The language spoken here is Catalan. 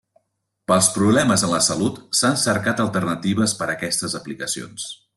Pels problemes en la salut s'han cercat alternatives per aquestes aplicacions.